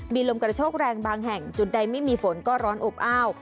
มีลมกระโชกแรงบางแห่งจุดใดไม่มีฝนก็ร้อนอบอ้าว